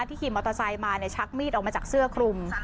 ขี่มอเตอร์ไซค์มาชักมีดออกมาจากเสื้อคลุม